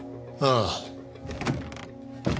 ああ。